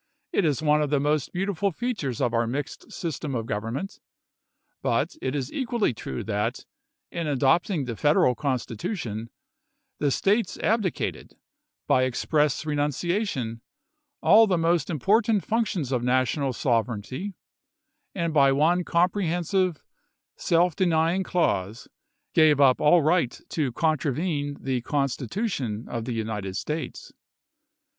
It is one of the chap.vii. most beautiful features of our mixed system of gov ernment ; but it is equally true that, in adopting the Federal Constitution, the States abdicated, by ex press renunciation, all the most important functions of National sovereignty, and by one comprehensive, self denying clause gave up all right to contravene the Constitution of the United States.